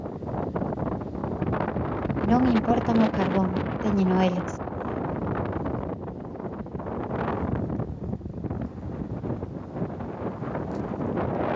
Non importan o carbón, téñeno eles.